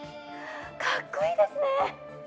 かっこいいですね。